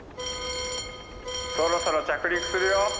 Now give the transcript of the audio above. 「そろそろ着陸するよ」。